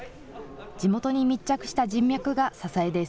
地元に密着した人脈が支えです。